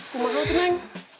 gimana tuh nen